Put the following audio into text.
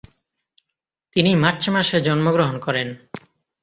তিনি মার্চ মাসে জন্মগ্রহণ করেন।